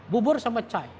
bubur sama chai